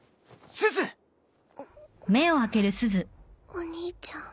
お兄ちゃん。